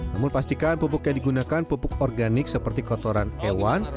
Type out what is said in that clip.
namun pastikan pupuk yang digunakan pupuk organik seperti kotoran hewan